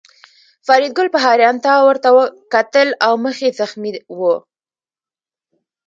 فریدګل په حیرانتیا ورته کتل او مخ یې زخمي و